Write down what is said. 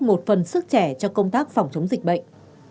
một phần sức trẻ cho công tác phòng chống dịch bệnh